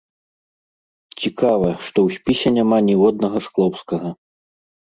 Цікава, што ў спісе няма ніводнага шклоўскага.